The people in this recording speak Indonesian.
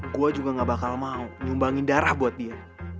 gue juga gak bakal mau nyumbangin darah buat dia